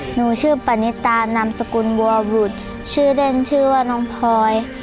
หนูชื่อปณิตานามสกุลบัวบุตรชื่อเล่นชื่อว่าน้องพลอย